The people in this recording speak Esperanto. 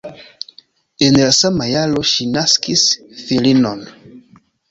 En la sama jaro ŝi naskis filinon.